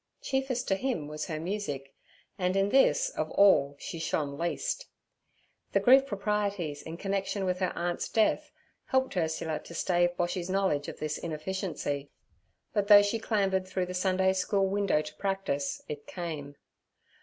Chiefest to him was her music, and in this, of all, she shone least. The grief proprieties in connection with her aunt's death helped Ursula to stave Boshy's knowledge of this inefficiency; but though she clambered through the Sundayschool window to practise, it came.